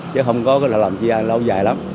chứ không có làm chi ai lâu dài